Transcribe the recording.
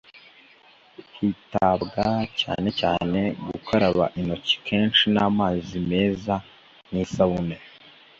hitabwa cyane cyane ku gukaraba intoki kenshi n'amazi meza n'isabune,